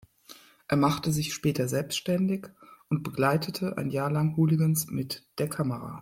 Er machte sich später selbständig und begleitete ein Jahr lang Hooligans mit der Kamera.